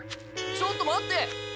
ちょっと待って。